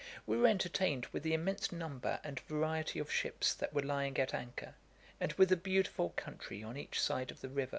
We were entertained with the immense number and variety of ships that were lying at anchor, and with the beautiful country on each side of the river.